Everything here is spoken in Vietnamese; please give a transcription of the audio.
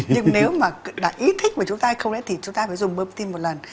nhưng nếu mà đã ý thích mà chúng ta không nên thì chúng ta phải dùng bơm kim tim một lần